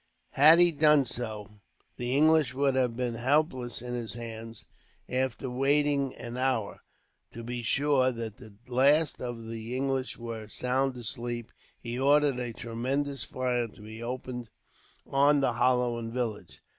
Had he done so, the English would have been helpless in his hands. After waiting an hour, to be sure that the last of the English were sound asleep, he ordered a tremendous fire to be opened on the hollow and village.